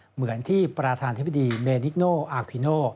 เหมือนที่ประธานธิบดีเมนิกโนอาร์ทิโน